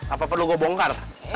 apa perlu gue bongkar